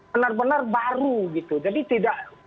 benar benar baru gitu jadi tidak